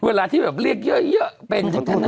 เวลาเรียกเยอะเป็นจังงั้นน่ะ